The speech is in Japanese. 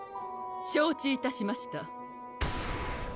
承知いたしました